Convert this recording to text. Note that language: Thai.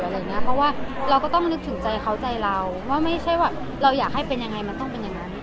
เพราะว่าเราก็ต้องนึกถึงใจเขาใจเราว่าไม่ใช่ว่าเราอยากให้เป็นยังไงมันต้องเป็นอย่างนั้น